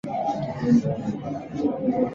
本作的图像与同时代游戏相比也算是低端的。